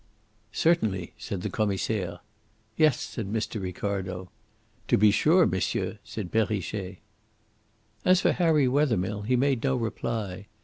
"Certainly," said the Commissaire. "Yes," said Mr. Ricardo. "To be sure, monsieur," said Perrichet. As for Harry Wethermill, he made no reply.